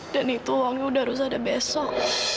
dan itu uangnya udah harus ada besok